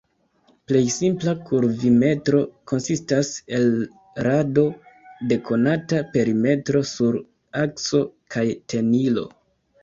Plej simpla kurvimetro konsistas el rado de konata perimetro sur akso kaj tenilo.